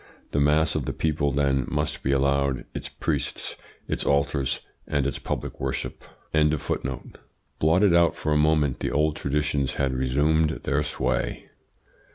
... The mass of the people, then, must be allowed its priests, its altars, and its public worship." Blotted out for a moment, the old traditions had resumed their sway.